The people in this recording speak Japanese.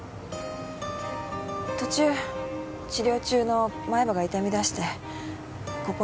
途中治療中の前歯が痛み出してここに駆け込んだんです。